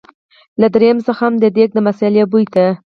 له دريم څخه هم د دېګ د مثالې بوی ته.